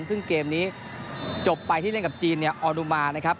ซึ่งเกมนี้จบไปที่เล่นกับจีนเนี่ยออดุมานะครับ